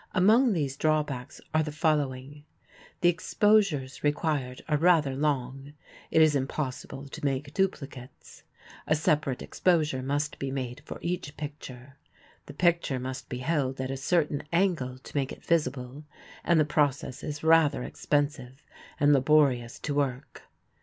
Among these drawbacks are the following: The exposures required are rather long; it is impossible to make duplicates a separate exposure must be made for each picture; the picture must be held at a certain angle to make it visible, and the process is rather expensive and laborious to work.